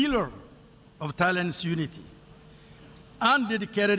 ขอบคุณครับ